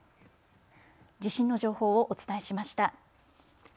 地震の情報をお伝えしました。